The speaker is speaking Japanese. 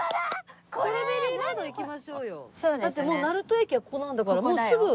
だってもう成東駅はここなんだからもうすぐ。